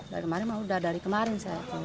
dari kemarin sudah dari kemarin saya